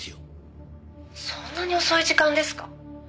「そんなに遅い時間ですか？」